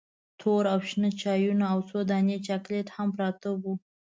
تور او شنه چایونه او څو دانې چاکلیټ هم پراته وو.